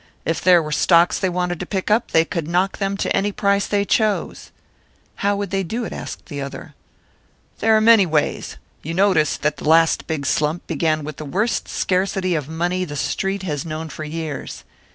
If there were stocks they wanted to pick up, they could knock them to any price they chose." "How would they do it?" asked the other. "There are many ways. You noticed that the last big slump began with the worst scarcity of money the Street has known for years.